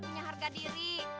punya harga diri